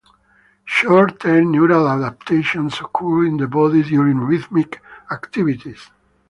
Short term neural adaptations occur in the body during rhythmic activities.